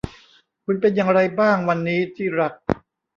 คุณเป็นอย่างไรบ้างวันนี้ที่รัก